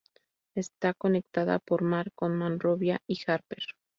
Está conectada por mar con Monrovia y Harper.